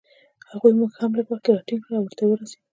هغوی مو هم په لږ وخت کې راټینګ کړل، او ورته ورسېدو.